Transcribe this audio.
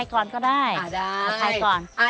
หนึ่งสองซ้ำยาดมนุษย์ป้า